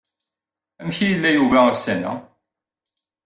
Amek yella Yuba ussan-a?